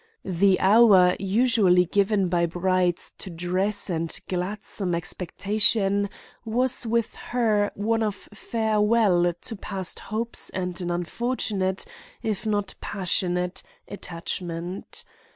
The hour usually given by brides to dress and gladsome expectation was with her one of farewell to past hopes and an unfortunate, if not passionate, attachment.